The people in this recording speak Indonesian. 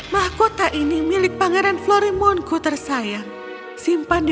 mahkota ini milik pangeran floremon ku tersayang